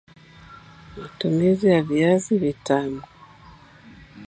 Matumizi ya Viazi Vitamu